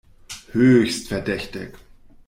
Höchst verdächtig!